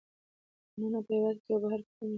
دننه په هېواد کې او بهر پوښتنه کوي